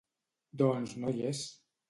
Doncs no hi és.